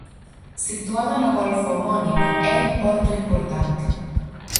Situada no golfo homónimo, é un porto importante.